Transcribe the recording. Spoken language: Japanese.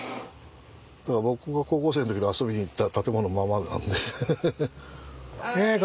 だから僕が高校生の時に遊びに行った建物のままなんでフフフ。